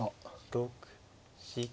６７。